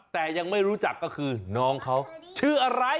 แต่ยังไม่รู้จักก็คือน้องเขาชื่ออะไร